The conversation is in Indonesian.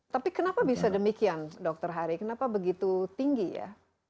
tapi kenapa bisa demikian dokter hari kenapa begitu tinggi ya